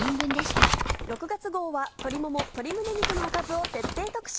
６月号は鶏もも鶏胸肉のおかずを徹底特集。